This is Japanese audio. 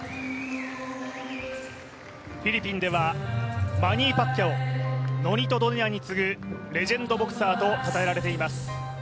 フィリピンではマニー・パッキャオ、ノニト・ドネアにつぐレジェンドボクサーとたたえられています。